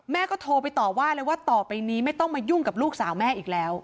แม่ก็โทรไปต่อว่าเลยว่าต่อไปนี้ไม่ต้องมายุ่งกับลูกสาวแม่อีกแล้ว